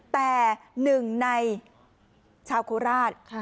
แต่หนึ่งในชาวโคราช